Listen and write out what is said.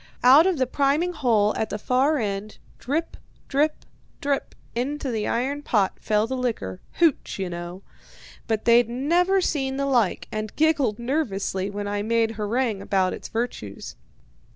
Out of the priming hole at the far end, drip, drip, drip into the iron pot fell the liquor HOOCH, you know. But they'd never seen the like, and giggled nervously when I made harangue about its virtues.